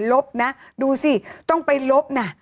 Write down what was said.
ลบนะดูสิต้องไปลบนะ